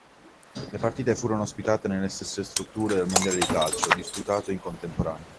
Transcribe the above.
Le partite furono ospitate nelle stesse strutture del mondiale di calcio, disputato in contemporanea.